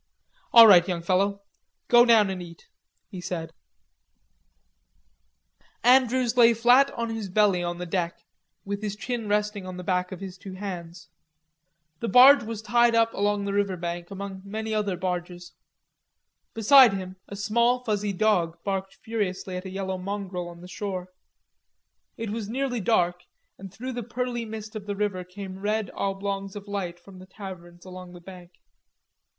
"All right, young fellow, go down and eat," he said. Andrews lay flat on his belly on the deck, with his chin resting on the back of his two hands. The barge was tied up along the river bank among many other barges. Beside him, a small fuzzy dog barked furiously at a yellow mongrel on the shore. It was nearly dark, and through the pearly mist of the river came red oblongs of light from the taverns along the bank.